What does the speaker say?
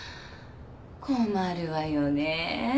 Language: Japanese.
困るわよね。